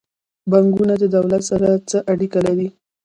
بانکونه د دولت سره څه اړیکه لري؟